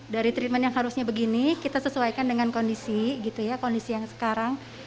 dari treatment yang harusnya begini kita sesuaikan dengan kondisi gitu ya kondisi yang sekarang